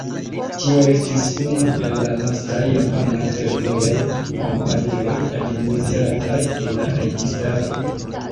Tio estis unu el la lastaj japanaj fervojaj kompanioj, administrataj de la registaro.